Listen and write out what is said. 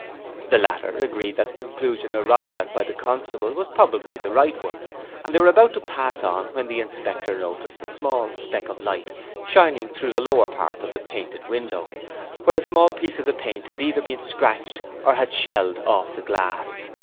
The latter agreed that the conclusion arrived at by the constable was probably the right one and they were about to pass on when the inspector noticed a small speck of light shining through the lower part of the painted window, where a small piece of the paint had either been scratched or had shelled off the glass.